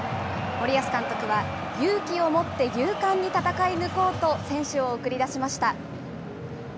森保監督は、勇気を持って勇敢に戦い抜こうと選手を送り出しました。